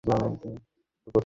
ভাইয়া, আমি তাকে চিনি।